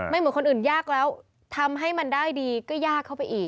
เหมือนคนอื่นยากแล้วทำให้มันได้ดีก็ยากเข้าไปอีก